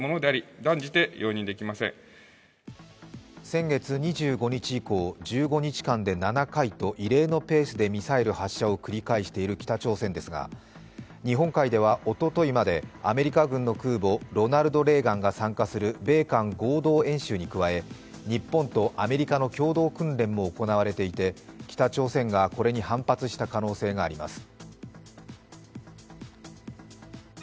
先月２５日以降１５日間で、７回と異例のペースでミサイル発射を繰り返している北朝鮮ですが日本海ではおとといまでアメリカ軍の空母「ロナルド・レーガン」が参加する米韓合同演習に加え日本とアメリカの共同訓練も行われていて北朝鮮がこれに反発した可能性があります。